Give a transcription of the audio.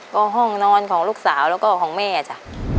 ก็ห้องนอนของลูกสาวแล้วก็ของแม่จ้ะ